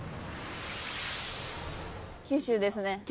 九州ですね。